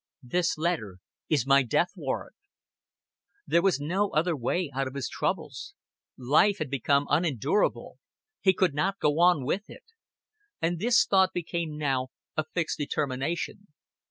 This letter is my death warrant." There was no other way out of his troubles. Life had become unendurable; he could not go on with it. And this thought became now a fixed determination.